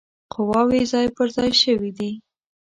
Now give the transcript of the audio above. قواوي ځای پر ځای شوي دي.